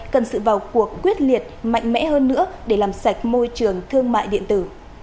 cần sự vào cuộc quyết liệt mạnh mẽ hơn nữa để làm sạch môi trường thương mại điện tử